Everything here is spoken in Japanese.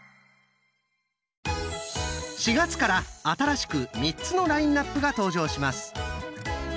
４月から新しく３つのラインナップが登場します！